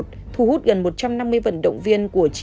thu hút gần một trăm năm mươi vận động viên của chín đội